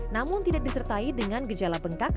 namun tidak disertai dengan gejala bengkak